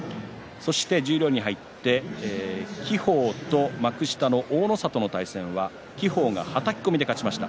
十両に入って輝鵬と幕下の大の里の対戦は輝鵬がはたき込みで勝ちました。